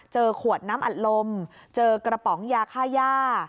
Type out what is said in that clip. เจอขวดน้ำอัดลมเจอกระป๋องยาค่าย่า